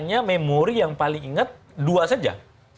hanya memori yang paling ingat dua saja